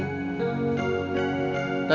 tremosnya pasti jatuh cek